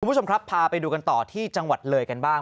คุณผู้ชมครับพาไปดูกันต่อที่จังหวัดเลยกันบ้าง